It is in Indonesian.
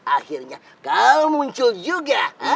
akhirnya kau muncul juga